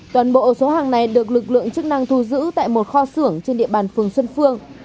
toàn bộ số hàng này được lực lượng chức năng thu giữ tại một kho xưởng trên địa bàn phường xuân phương